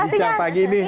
udah bicara pagi ini